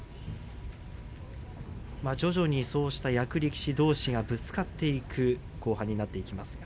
徐々に、そうした役力士どうしがぶつかっていく後半になってきます。